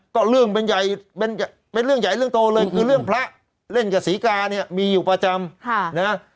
ก็เรื่องเป็นใหญ่เป็นเรื่องใหญ่เรื่องโตเลยคือเรื่องพระเล่นกับศรีกาเนี่ยมีอยู่ประจำนะ